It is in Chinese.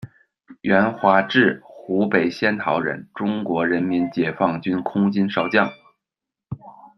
袁华智，湖北仙桃人，中国人民解放军空军少将。